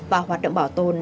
và hoạt động